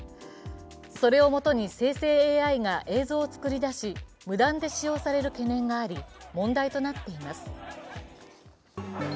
それをもとに生成ＡＩが映像を作り出し、無断で使用される懸念があり、問題となっています。